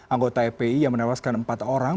anggota fpi yang menewaskan empat orang